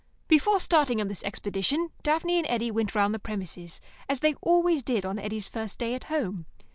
Before starting on this expedition, Daphne and Eddy went round the premises, as they always did on Eddy's first day at home.